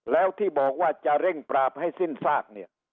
แล้วที่บอกว่าจะเร่งปราบให้สิ้นซากเนี่ย